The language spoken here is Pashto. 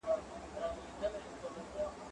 زه به سبا لاس پرېولم وم.